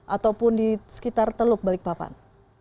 ataupun di sekitar teluk balikpapan